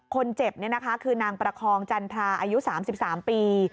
คนเจ็บนี่นะคะคือนางประคองจันทราอายุ๓๓ปี